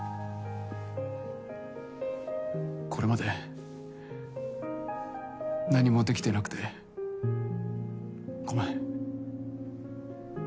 これまで何もできてなくてごめん。